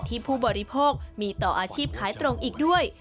ผู้บริโภคมีต่ออาชีพขายตรงอีกด้วย